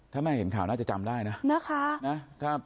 ถ้าแม่เห็นข่าวน่าจะจำได้นะนะคะ